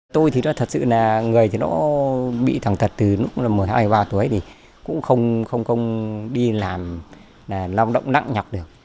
tôi thì nó thật sự là người thì nó bị thằng thật từ lúc là một mươi hai một mươi ba tuổi thì cũng không đi làm lao động nặng nhọc được